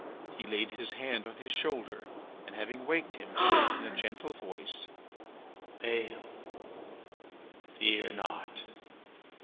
He laid his hand on his shoulder and, having waked him, said in a gentle voice: "Maël, fear not!"